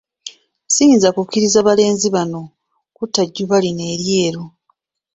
Siyinza ku kkiriza balenzi bano kutta Jjuba lino eryeru.